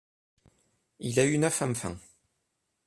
Il a eu neuf enfants.